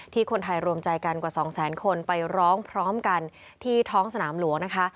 คนไทยรวมใจกันกว่าสองแสนคนไปร้องพร้อมกันที่ท้องสนามหลวงนะคะ